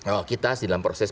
oh kita dalam proses